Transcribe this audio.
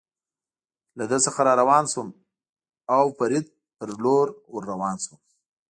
له ده څخه را روان شوم، د او فرید په لور ور روان شوم.